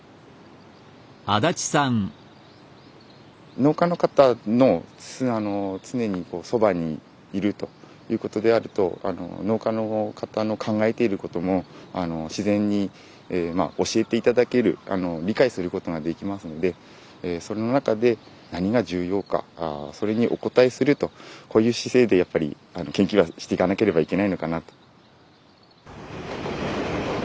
農家の方の常にそばにいるということであると農家の方の考えていることも自然にまあ教えて頂ける理解することができますのでその中で何が重要かそれにお応えするとこういう姿勢でやっぱり研究はしていかなければいけないのかなと。